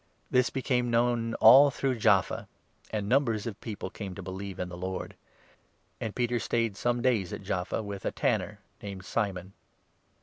This 42 became known all through Jaffa, and numbers of people came to believe in the Lord. And Peter stayed some days 43 at Jaffa with a tanner named Simon.